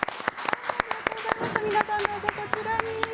皆さんどうぞこちらに。